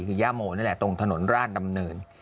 คือย่าโมนี่แหละตรงถนนราชดำเนิน